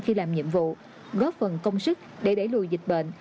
khi làm nhiệm vụ góp phần công sức để đẩy lùi dịch bệnh